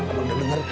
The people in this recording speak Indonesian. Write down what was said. aku mau cari